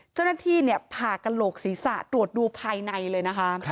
เจ้าหน้าที่ผ่ากระโหลกศีรษะตรวจดูภายในเลยนะคะ